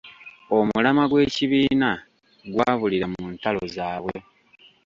Omulamwa gw’ekibiina gwabulira mu ntalo zaabwe.